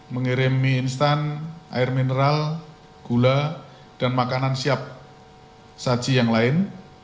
mengirim mie instan air mineral gula dan makanan siap saji yang lain